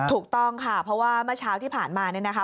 ถูกต้องค่ะเพราะว่าเมื่อเช้าที่ผ่านมาเนี่ยนะคะ